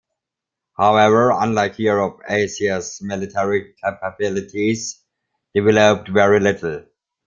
However, unlike Europe, Asia's military capabilities developed very little.